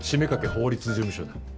法律事務所だ。